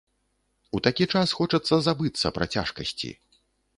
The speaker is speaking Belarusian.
У такі час хочацца забыцца пра цяжкасці.